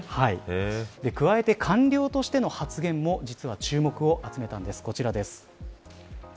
加えて、官僚としての発言も実は注目を集めたんです。